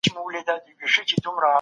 لويه جرګه پر ملي مسايلو تمرکز کوي.